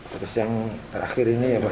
terus yang terakhir ini ya pak